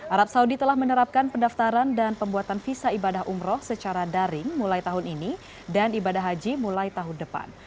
arab saudi telah menerapkan pendaftaran dan pembuatan visa ibadah umroh secara daring mulai tahun ini dan ibadah haji mulai tahun depan